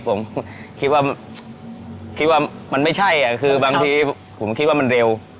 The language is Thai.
ผมคิดว่าคิดว่ามันไม่ใช่คือบางทีผมคิดว่ามันเร็ว